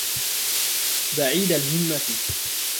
بَعِيدَ الْهِمَّةِ